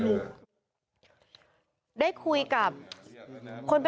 ลูกนั่นแหละที่เป็นคนผิดที่ทำแบบนี้